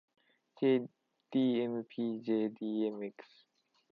jdmpjdmx